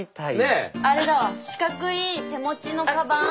あれだわ四角い手持ちのかばん。